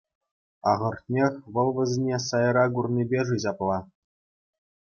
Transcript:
Ахӑртнех, вӑл вӗсене сайра курнипе-ши ҫапла.